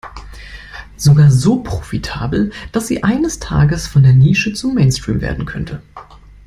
Sogar so profitabel, dass sie eines Tages von der Nische zum Mainstream werden könnte.